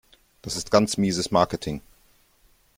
Das ist ganz mieses Marketing.